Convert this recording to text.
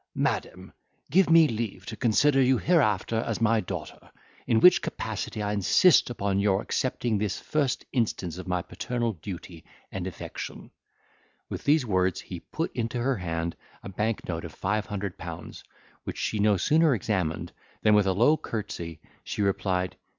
"Madam, give me leave to consider you hereafter as my daughter, in which capacity I insist upon your accepting this first instance of my paternal duty and affection." With these words he put into her hand a bank note of five hundred pounds, which she no sooner examined, than with a low courtesy she replied.